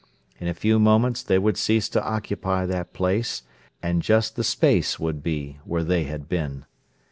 In a few moments they would cease to occupy that place, and just the space would be, where they had been.